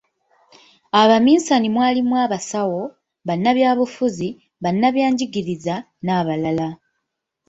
"Abaminsani mwalimu abasawo, bannabyabufuzi, bannabyanjigiriza n’abalala."